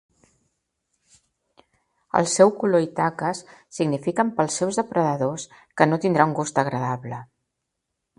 El seu color i taques signifiquen pels seus depredadors que no tindrà un gust agradable.